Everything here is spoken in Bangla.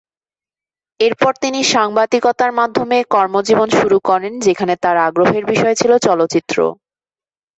এরপর তিনি সাংবাদিকতার মাধ্যমে কর্মজীবন শুরু করেন, যেখানে তার আগ্রহের বিষয় ছিল চলচ্চিত্র।